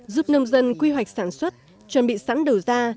giúp nông dân quy hoạch sản xuất chuẩn bị sẵn đầu ra